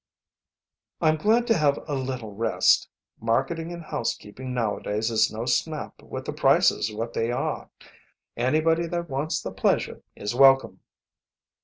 "I'm glad to have a little rest. Marketing and housekeeping nowadays is no snap, with the prices what they are. Anybody that wants the pleasure is welcome."